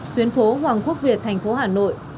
tuyến phố hoàng quốc việt thành phố hà nội